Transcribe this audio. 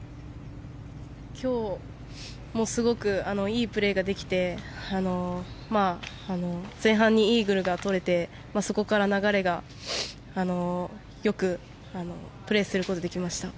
今日すごくいいプレーができて前半にイーグルがとれてそこから流れが良くプレーすることができました。